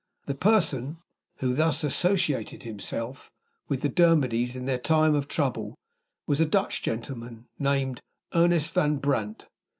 The person who thus associated himself with the Dermodys in the time of their trouble was a Dutch gentleman, named Ernest Van Brandt.